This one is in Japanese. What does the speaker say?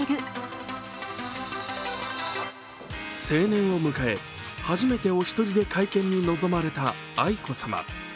成年を迎え、初めてお一人で会見に臨まれた愛子さま。